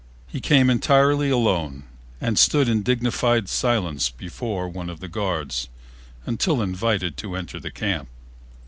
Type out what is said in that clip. He came entirely alone and stood in dignified silence before one of the guards until invited to enter the camp.